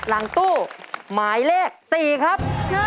หลังตู้หมายเลข๔ครับ